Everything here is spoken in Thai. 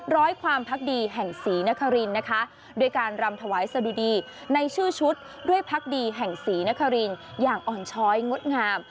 ร้อยความพักดีแห่งศรีนครินนะคะด้วยการรำถวายสะดุดีในชื่อชุดด้วยพักดีแห่งศรีนครินอย่างอ่อนช้อยงดงาม